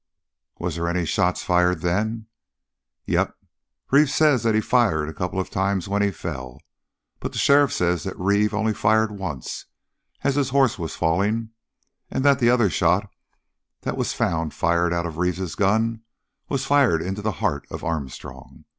"Was they any shots fired then?" "Yep. Reeve says that he fired a couple of times when he fell. But the sheriff says that Reeve only fired once, as his hoss was falling, and that the other shot that was found fired out of Reeve's gun was fired into the heart of Armstrong.